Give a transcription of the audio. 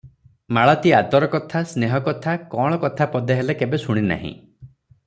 ମାଳତୀ ଆଦର କଥା, ସ୍ନେହ କଥା, କଅଁଳ କଥା ପଦେ ହେଲେ କେବେ ଶୁଣି ନାହିଁ ।